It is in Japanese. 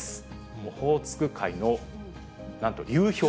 オホーツク海の、なんと流氷。